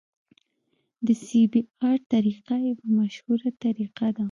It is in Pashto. د سی بي ار طریقه یوه مشهوره طریقه ده